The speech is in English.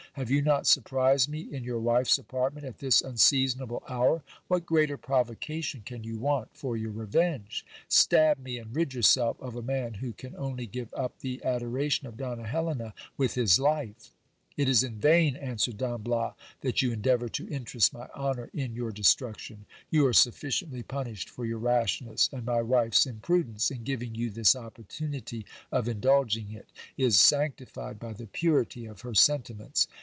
Have you not surprised me in your wife's apartment at this unseasonable hour? what greater provoca tion can you want for your revenge ? Stab me, and rid yourself of a man, who can only give up the adoration of Donna Helena with his life. It is in vain, : 1 Don Bias, that you endeavour to interest my honour in your destruc tion. You are sufficiently punished for your rashness ; and my wife's imprudence, in giving you this opportunity of indulging it, is sanctified by the purity of her sentiments.